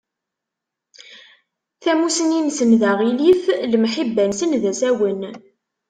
Tamusni-nsen d aɣilif, lemḥiba-nsen d asawen.